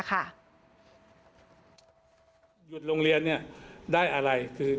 ละอองออกก็จะยืดลงเรียนยุดลงเรียนยังมีข้าวให้ร์ม